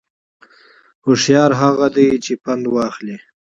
هوشیار هغه دی چې پند واخلي